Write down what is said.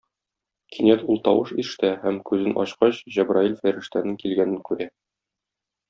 Кинәт ул тавыш ишетә һәм күзен ачкач, Җәбраил фәрештәнең килгәнен күрә.